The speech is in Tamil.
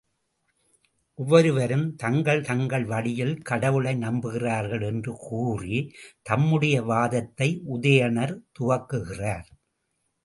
ஒவ்வொருவரும் தங்கள், தங்கள் வழியில் கடவுளை நம்புகிறார்கள் என்று கூறி தம்முடைய வாதத்தை உதயணர் துவக்குகிறார்.